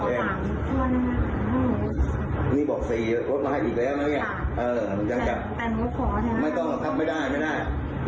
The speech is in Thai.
หนูหาได้ตอนนี้ได้ได้แค่สองหมื่นได้อีกหมื่นหนึ่งหมื่นก็แค่อีกหมื่นสาม